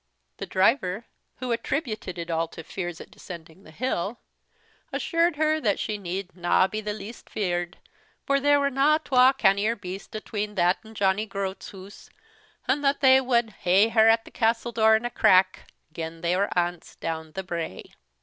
The driver, who attributed it all to fears at descending the hill, assured her she need na be the least feared, for there were na twa cannier beasts atween that and Johnny Groat's hoose; and that they wad ha'e her at the castle door in a crack, gin they were ance down the brae."